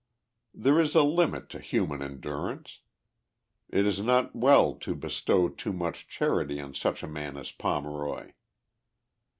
There is a limit to human endurance. It is not well to bestow too much charity on such a man as Pomeroy.